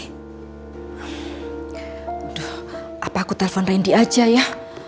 aduh apa aku telpon randy aja ya